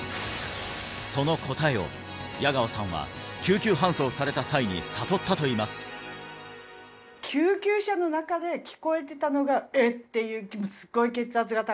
その答えを矢川さんは救急搬送された際に悟ったといいますからって言われたんですよ